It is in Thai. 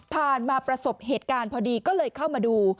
มาประสบเหตุการณ์พอดีก็เลยเข้ามาดู